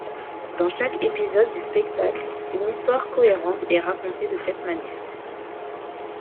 Dans chaque épisode du spectacle, une histoire cohérente est racontée de cette manière.